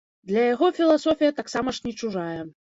Для яго філасофія таксама ж не чужая.